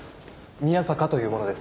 宮坂という者です。